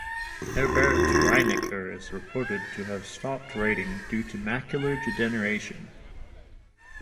Herbert Reinecker is reported to have stopped writing due to macular degeneration.